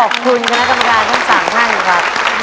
ขอบคุณคณะกรรมการทั้ง๓ท่านครับ